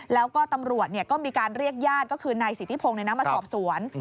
แล้วก็ตำรวจก็มีการเรียกญาติก็คือนายสิทธิพงศ์มาสอบสวน